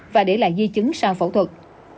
và để lại di chứng sau phẫu thuật